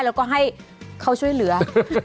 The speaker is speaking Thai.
แล้วก็ให้เขาช่วยเหลือ